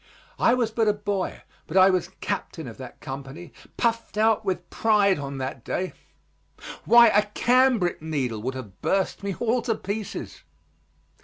I was but a boy, but I was captain of that company, puffed out with pride on that day why, a cambric needle would have burst me all to pieces.